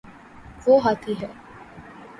وہ ہاتھی ہے